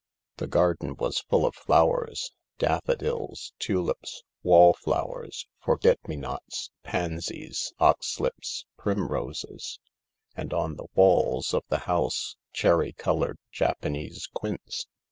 The garden was full of flowers — daffodils, tulips, wallflowers, forget me nots, pansies, oxlips, primroses^ and on the walls of the house cherry coloured Japanese quince.